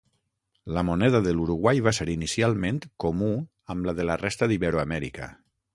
La moneda de l'Uruguai va ser inicialment comú amb la de la resta d'Iberoamèrica.